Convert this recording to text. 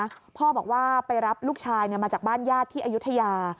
พ่อบอกว่าไปรับลูกชายมาจากบ้านญาติที่อายุทยา